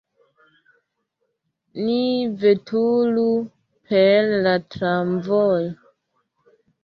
Ni veturu per la tramvojo.